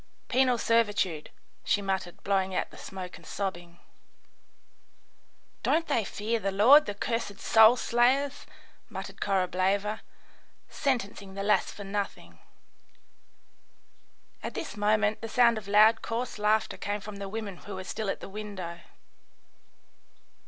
"Penal servitude," she muttered, blowing out the smoke and sobbing. "Don't they fear the Lord, the cursed soul slayers?" muttered Korableva, "sentencing the lass for nothing." At this moment the sound of loud, coarse laughter came from the women who were still at the window.